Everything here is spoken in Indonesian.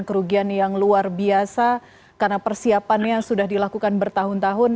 kerugian yang luar biasa karena persiapannya sudah dilakukan bertahun tahun